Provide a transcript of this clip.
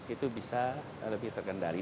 itu bisa lebih terkendali